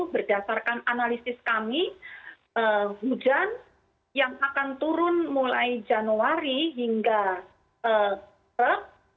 berdasarkan analisis kami hujan yang akan turun mulai januari hingga perut